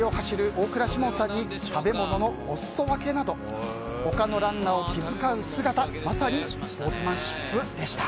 大倉士門さんに食べ物のお裾分けなど他のランナーを気遣う姿、まさにスポーツマンシップでした。